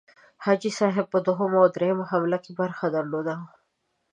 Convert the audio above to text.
حاجي صاحب په دوهمه او دریمه حمله کې برخه درلوده.